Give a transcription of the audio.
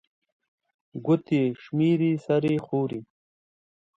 ګوتي شمېري، سر يې ښوري